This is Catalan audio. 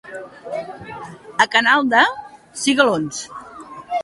A Canalda, cigalons.